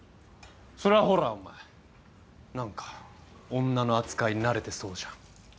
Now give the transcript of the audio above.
それはほらお前何か女の扱いに慣れてそうじゃん。